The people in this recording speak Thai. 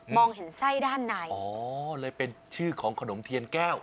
เห็นไส้ด้านในอ๋อเลยเป็นชื่อของขนมเทียนแก้ว